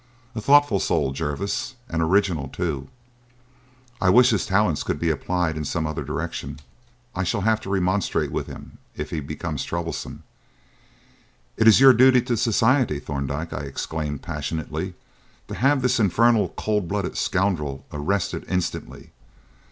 "A thoughtful soul, Jervis, and original too. I wish his talents could be applied in some other direction. I shall have to remonstrate with him if he becomes troublesome." "It is your duty to society, Thorndyke," I exclaimed passionately, "to have this infernal, cold blooded scoundrel arrested instantly.